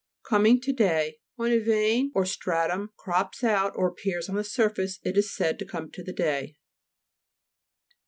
COMING TO DAY When a vein or stratum crops out or appears on the surface it is said to come to the day.